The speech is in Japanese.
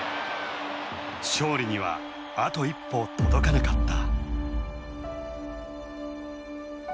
勝利にはあと一歩届かなかった。